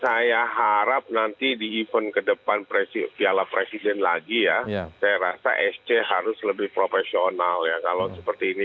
saya harap nanti di event kedepan piala presiden lagi ya saya rasa sc harus lebih profesional ya kalau seperti ini